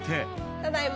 ただいま。